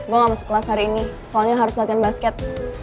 gue gak masuk kelas hari ini soalnya harus latihan basket